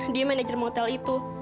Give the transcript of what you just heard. dia manajer motel itu